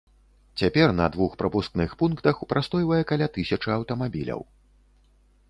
Цяпер на двух прапускных пунктах прастойвае каля тысячы аўтамабіляў.